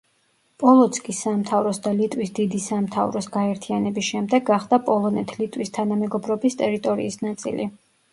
პოლოცკის სამთავროს და ლიტვის დიდი სამთავროს გაერთიანების შემდეგ გახდა პოლონეთ-ლიტვის თანამეგობრობის ტერიტორიის ნაწილი.